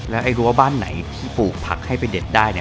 ไอ้รั้วบ้านไหนที่ปลูกผักให้ไปเด็ดได้เนี่ย